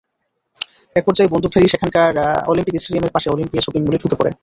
একপর্যায়ে বন্দুকধারী সেখানকার অলিম্পিক স্টেডিয়ামের পাশে অলিম্পিয়া শপিং মলে ঢুকে পড়ে।